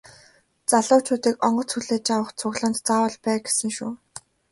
Залуучуудыг онгоц хүлээж авах цуглаанд заавал бай гэсэн шүү.